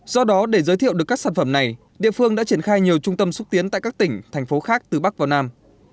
do đó để giới thiệu được các sản phẩm này địa phương đã triển khai nhiều trung tâm xúc tiến tại các tỉnh thành phố khác từ bắc vào nam